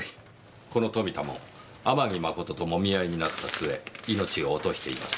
この富田も天城真ともみ合いになったすえ命を落としています。